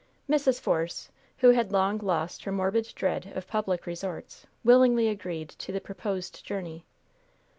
Mrs. Force, who had long lost her morbid dread of public resorts, willingly agreed to the proposed journey.